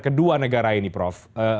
kedua negara ini prof